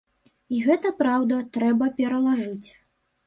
І гэта праўда, трэба пералажыць.